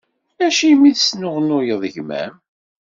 Acimi i tesnuɣnuyeḍ gma-m?